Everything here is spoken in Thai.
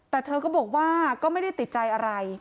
แต่เธอก็บอกว่าก็ไม่ได้ติดใจอะไร